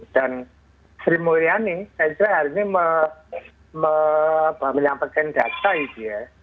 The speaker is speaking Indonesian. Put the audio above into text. dan sri mulyani saya ingin menyampaikan data itu ya